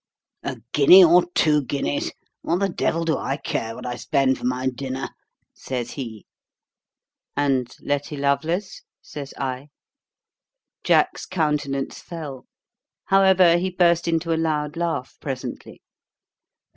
'A guinea or two guineas. What the devil do I care what I spend for my dinner?' says he. 'And Letty Lovelace?' says I. Jack's countenance fell. However, he burst into a loud laugh presently.